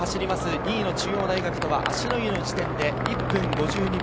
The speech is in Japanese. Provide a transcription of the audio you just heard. ２位の中央大学とは芦之湯の地点で１分５２秒。